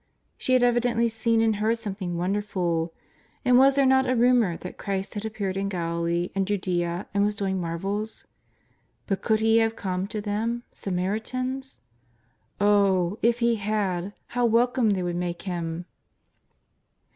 She had evidently seen and heard something wonderful. And was there not a rumour that Christ had appeared in Galilee and Judea and was doing marvels ? But could He have come to them — Samaritans? Oh, if He had, how welcome they w^ould make Him